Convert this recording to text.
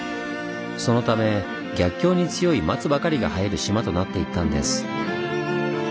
そのため逆境に強い松ばかりが生える島となっていったんです。